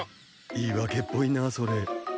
言い訳っぽいなぁそれ。